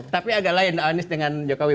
tapi agak lain anies dengan jokowi